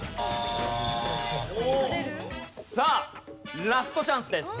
さあラストチャンスです。